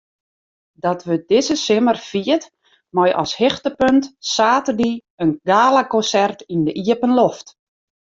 Dat wurdt dizze simmer fierd mei as hichtepunt saterdei in galakonsert yn de iepenloft.